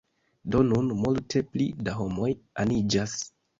Do nun multe pli da homoj aniĝas